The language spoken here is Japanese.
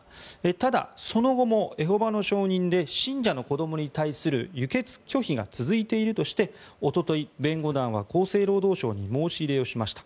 ただ、その後もエホバの証人で信者の子どもに対する輸血拒否が続いているとしておととい、弁護団は厚生労働省に申し入れをしました。